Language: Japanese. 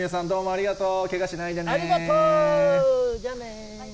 ありがとう。